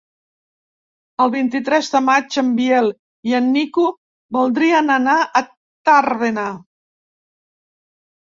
El vint-i-tres de maig en Biel i en Nico voldrien anar a Tàrbena.